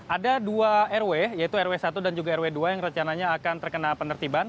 ada dua rw yaitu rw satu dan juga rw dua yang rencananya akan terkena penertiban